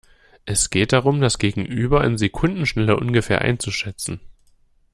Es geht darum, das Gegenüber in Sekundenschnelle ungefähr einzuschätzen.